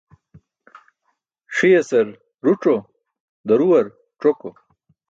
Ṣiyasar ruc̣o, duruwar c̣oko.